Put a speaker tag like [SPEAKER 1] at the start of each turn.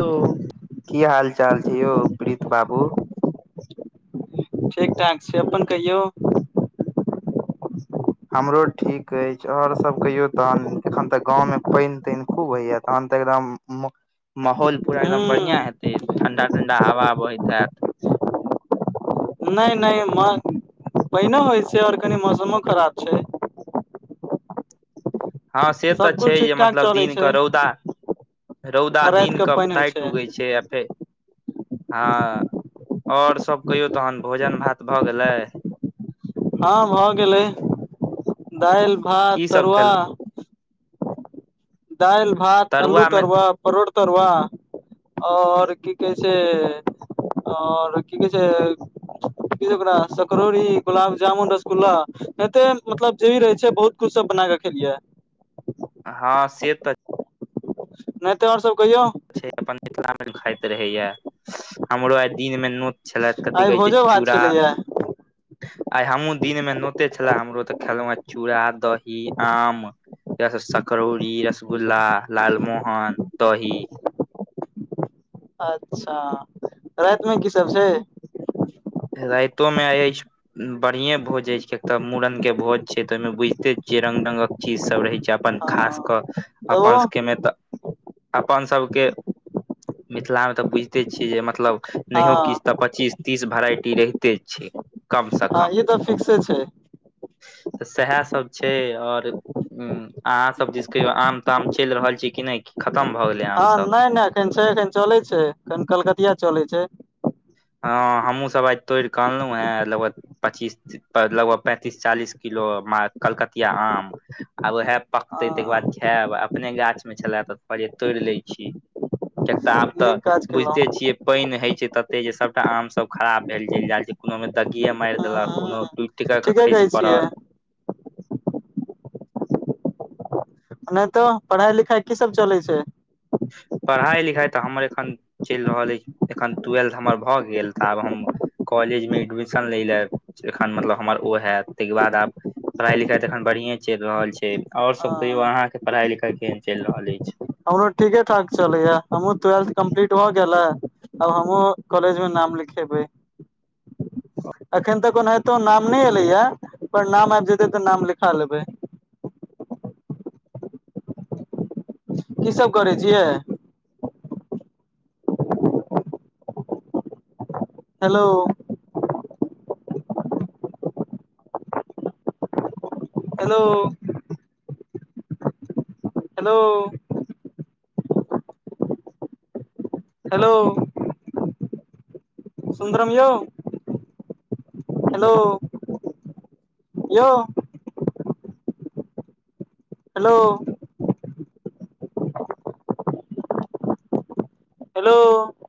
[SPEAKER 1] Hello.
[SPEAKER 2] की हाल चाल छै? यौ प्रिंस बाबू।
[SPEAKER 1] ठीक ठाक छै अपन कहियौ?
[SPEAKER 2] हमरो ठीक अछि, आऔर सभ कहियो तहन एखन तऽ गावमे पानि तानि खूब होइया तखन तऽ एकदम। माहौल पूरा एकदम बढ़िया
[SPEAKER 1] हूँ
[SPEAKER 2] हेते ठंडा ठंडा हवा बहैत हत।
[SPEAKER 1] नहि, नहि पानओ होइत छै, आओर कनि मौसमो खराब छै।
[SPEAKER 2] हँ, से तऽ छै,
[SPEAKER 1] सबकुछ
[SPEAKER 2] जे
[SPEAKER 1] ठीक ठाक
[SPEAKER 2] मतलब
[SPEAKER 1] चलै छै
[SPEAKER 2] दिनके
[SPEAKER 1] आ
[SPEAKER 2] रौदा। रोदा दिन कऽ टाइट होइ छै या फेर? हँ, आओर सभ कहियौ तहन भोजन भात भऽ गेलै?
[SPEAKER 1] हँ, भऽ गेलै दालि भात
[SPEAKER 2] की सब
[SPEAKER 1] तरुआ।
[SPEAKER 2] खेल
[SPEAKER 1] दालि भात आलू तरुआ परोठ तरुआ। आओर की कहै छै, आओर की कहै छै। ओकरा सकरौरी गुलाब जामुन रसगुल्ला एते मतलब जे भी रहै छै बहुत। खुद सँ बना खेकिये
[SPEAKER 2] हँ से तऽ।
[SPEAKER 1] नहि तऽ आओर सभ कहियौ?
[SPEAKER 2] अपन मिथिलामे खाइत रहैया हमरो। दिनमे नोत छलथि कथि
[SPEAKER 1] आइ
[SPEAKER 2] कहै छै
[SPEAKER 1] भोजो भात
[SPEAKER 2] चूरा।
[SPEAKER 1] छलैया
[SPEAKER 2] आइ हमहूँ दिनमे नोते छले हमरो तऽ खेलहुँ चूड़ा दही आम य सकरौरी रसगुल्ला लालमोहन दही।
[SPEAKER 1] अच्छा। रातिमे की सभ छै।
[SPEAKER 2] रातोमे आय अछि। बढ़िया भोज होय छै, एक तऽ मूड़नके भोज छै, ते ओहिमे बुझिते छिये रंग रंगक चीज सभ रहे अपन खास कऽ
[SPEAKER 1] हँ तऽ ओ
[SPEAKER 2] अपनकेमे तऽ। अपन सभके मिथिलामे तऽ बुझिते छियै जे मतलब नहियो
[SPEAKER 1] हँ
[SPEAKER 2] किछ तऽ। पच्चीस तिस वैरायटी रहतै छे, कमसँ
[SPEAKER 1] हँ
[SPEAKER 2] कम
[SPEAKER 1] ई तऽ फिक्से छै
[SPEAKER 2] तऽ सएह सभ छै, आओर ह अहाँ सभ दिस कहियौ आम ताम चलि रहल छी कि नहि। खतम भऽ गेलै आम
[SPEAKER 1] हँ,
[SPEAKER 2] सब
[SPEAKER 1] नहि नहि एखन छै, एखन चलै छै, एखन कलकतिया चलै छै।
[SPEAKER 2] हँ, हमहूँसभ आइ तोड़ कऽ अनलहुँ हे लगभग पच्चीस। लगभग पैंतीस चालिस किलो कलकतिया आम। आ उएह
[SPEAKER 1] हँ
[SPEAKER 2] पकतै ताहिकर बाद खायब, अपने गाछमे छलए तइरे तोड़ि लै छी। कियाकि तऽ आब तऽ
[SPEAKER 1] नीक काज
[SPEAKER 2] बुझिते
[SPEAKER 1] केलहुँ
[SPEAKER 2] छियै पानि होइ छै। तऽ जे सभटा आम सभ खराब भेल जल जाय छै, कोनो ओमे दगी मारि
[SPEAKER 1] हूँ
[SPEAKER 2] देलक कोनो।
[SPEAKER 1] हूँ
[SPEAKER 2] टुटि-टिका कऽ
[SPEAKER 1] ठीके कहै
[SPEAKER 2] खसि
[SPEAKER 1] छियै
[SPEAKER 2] पड़ल।
[SPEAKER 1] नहि तो पढ़ाई लिखाई की सब चलै छै
[SPEAKER 2] पढ़ाइ लिखाइ तऽ हमर एखन चलि रहल अछि एखन ट्वेल्थ हमर भऽ गेल तऽ आब हम कॉलेजमे एडमिशन लै ले एखन मतलब हमर ओ हैत ताहिके बाद आब पढ़ाई लिखाई तऽ अखन बढ़िये चलि रहल छै और सब कहियो
[SPEAKER 1] हँ
[SPEAKER 2] अहा के पढ़ाई लिखाई केहन चलि रहल अछि
[SPEAKER 1] हमरो ठीके ठाक चलैए हमहूँ ट्वेल्थ कम्प्लीट भऽ गेलै अब हमहुँ कॉलेज मे नाम लिखेबै अखन तक ओनाहितो नाम नहि एले या पर नाम आबि जेते तऽ नाम लिखा लेबै की सब करै छियैे हेलो एदो हेलो हेलो सुन्दरम यौ हेलो यौ हेलो हेलो